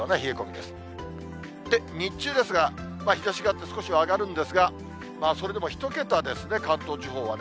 で、日中ですが、日ざしがあって少しは上がるんですが、それでも１桁ですね、関東地方はね。